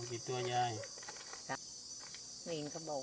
เวียนหัวไม่มาหรอกลูกไม่มาหรอก